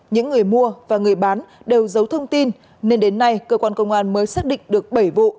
những người mua và người bán đều giấu thông tin nên đến nay cơ quan công an mới xác định được bảy vụ